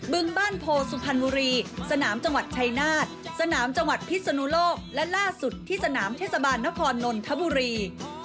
ึงบ้านโพสุพรรณบุรีสนามจังหวัดชายนาฏสนามจังหวัดพิศนุโลกและล่าสุดที่สนามเทศบาลนครนนทบุรี